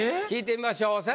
聞いてみましょう。